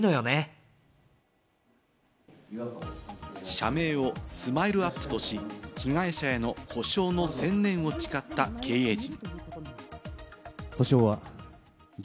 社名をＳＭＩＬＥ‐ＵＰ．とし、被害者への補償の専念を誓った経営陣。